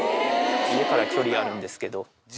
家から距離あるんですけど。